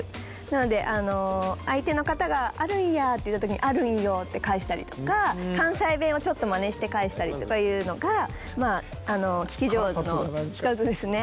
なので相手の方があるんやって言った時にあるんよって返したりとか関西弁をちょっとまねして返したりとかいうのが聞き上手の一つですね。